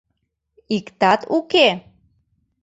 Иктат уке?